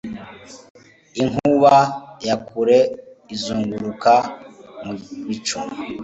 Inkuba ya kure izunguruka mu bicu